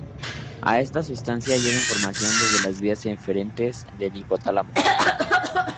A esta sustancia llega información desde las vías eferentes del hipotálamo.